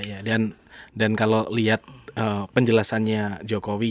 dan kalo liat penjelasannya jokowi yang mungkin sebagian orang menyalahkan